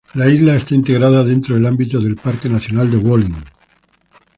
La isla está integrada dentro del ámbito del Parque nacional de Wolin.